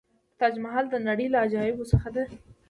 تاج محل د نړۍ له عجایبو څخه دی.